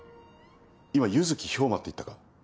今弓月兵馬って言ったか？